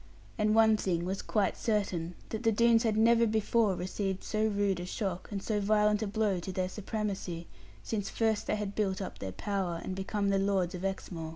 And one thing was quite certain, that the Doones had never before received so rude a shock, and so violent a blow to their supremacy, since first they had built up their power, and become the Lords of Exmoor.